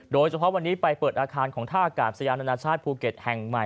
โดยเฉพาะวันนี้ไปเปิดอาคารของท่าอากาศยานานาชาติภูเก็ตแห่งใหม่